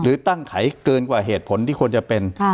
ตั้งไขเกินกว่าเหตุผลที่ควรจะเป็น